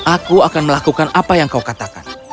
aku akan melakukan apa yang kau katakan